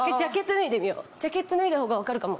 ジャケット脱いだほうが分かるかも。